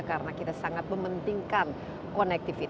karena kita sangat mementingkan konektivitas